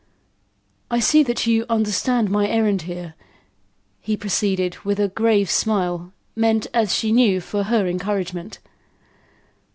"I see that you understand my errand here," he proceeded, with a grave smile, meant as she knew for her encouragement.